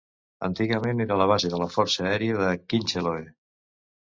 Antigament era la Base de la Força Aèria de Kincheloe.